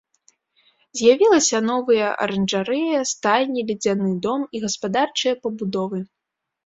З'явілася новыя аранжарэя, стайні, ледзяны дом і гаспадарчыя пабудовы.